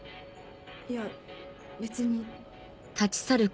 いや別に。